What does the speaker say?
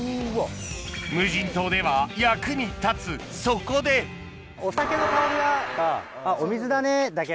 無人島では役に立つそこで「お酒の香りだ」か「あっお水だね」だけ。